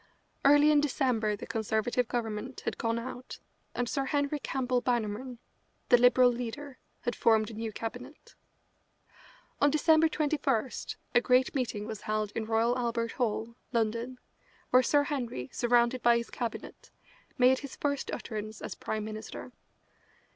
Early in December the Conservative Government had gone out, and Sir Henry Campbell Bannerman, the Liberal leader, had formed a new Cabinet. On December 21 a great meeting was held in Royal Albert Hall, London, where Sir Henry, surrounded by his cabinet, made his first utterance as Prime Minister.